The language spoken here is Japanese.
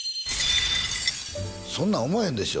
そんなん思わへんでしょ？